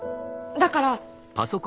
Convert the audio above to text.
だから。